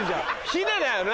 ヒデだよな？